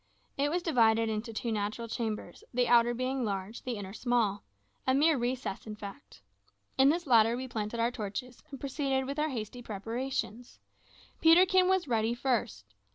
It was divided into two natural chambers, the outer being large, the inner small a mere recess, in fact. In this latter we planted our torches, and proceeded with our hasty preparations. Peterkin was ready first.